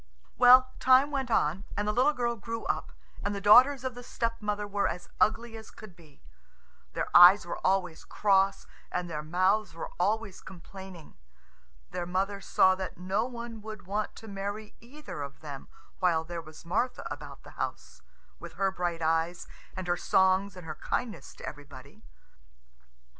Well, time went on, and the little girl grew up, and the daughters of the stepmother were as ugly as could be. Their eyes were always cross, and their mouths were always complaining. Their mother saw that no one would want to marry either of them while there was Martha about the house, with her bright eyes and her songs and her kindness to everybody.